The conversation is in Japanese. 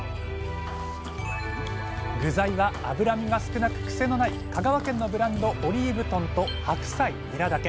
具材は脂身が少なく癖のない香川県のブランドオリーブ豚と白菜ニラだけ。